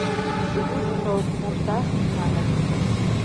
Южыжо «пурташ» маныт.